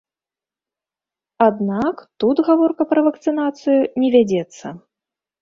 Аднак, тут гаворка пра вакцынацыю не вядзецца.